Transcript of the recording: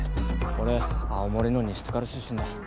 俺青森の西津軽出身で。